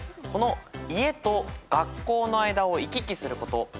この家と学校の間を行き来すること。